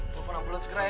telepon ambulans segera ya